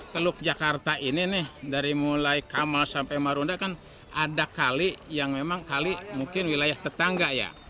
teluk jakarta ini nih dari mulai kamal sampai marunda kan ada kali yang memang kali mungkin wilayah tetangga ya